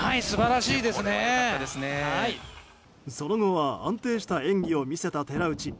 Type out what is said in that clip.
その後は安定した演技を見せた寺内。